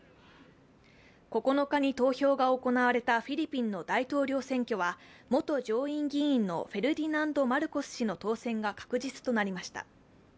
９日に投票が行われたフィリピンの大統領選挙は元上院議員のフェルディナンド・マルコス氏の当選が確実となりました。